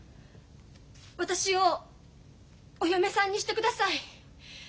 私をお嫁さんにしてください。